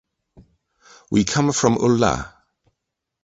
We come from Ullà.